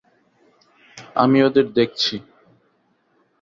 আমি ওদের দেখছি।